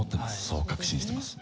そう確信してます。